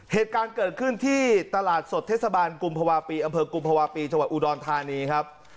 เหตุการณ์เกิดขึ้นที่ตลาดสดเทศบาลกุมภาวะปีอำเภอกุมภาวะปีจังหวัดอุดรธานีครับ